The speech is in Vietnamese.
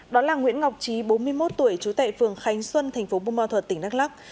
đó là nguyễn ngọc trí bốn mươi một tuổi trú tệ phường khánh xuân tp bông mo thuật tỉnh đắk lắc